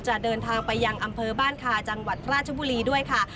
เดินทางไปยังอำเภอบ้านคาจังหวัดราชบุรีด้วยค่ะ